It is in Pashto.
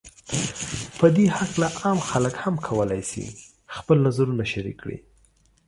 په دې هکله عام خلک هم کولای شي خپل نظرونو شریک کړي